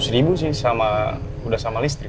enam ratus ribu sih sama udah sama listrik